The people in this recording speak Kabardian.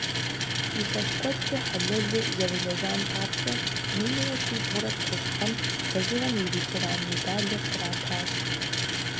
Илъэс куэдкӏэ хьэлэлу зэрылэжьам папщӏэ, минрэ щибгъурэ бгъущӏ гъэм «Лэжьыгъэм и ветеран» медалыр къратащ.